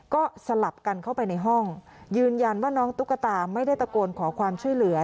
ก็สลับกันเข้าไปในห้องยืนยันว่าน้องตุ๊กตาไม่ได้ตะโกนขอความช่วยเหลือ